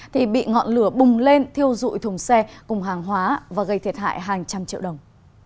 thì bị ngọn lửa bùng lên thiêu dụi thùng xe cùng hàng hóa và gây thiệt hại hàng trăm triệu đồng